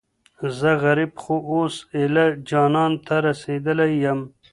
زه غريب خو اوس ايـــلــه جــانـان ته رسېـدلى يـم